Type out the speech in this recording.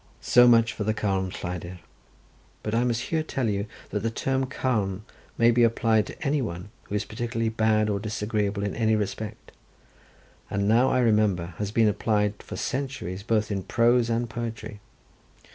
So much for Carn lleidyr. But I must here tell you that the term carn may be applied to any one who is particularly bad or disagreeable in any respect, and now I remember, has been applied for centuries both in prose and poetry.